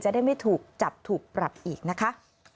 ได้ไม่ถูกจับถูกปรับอีกนะคะ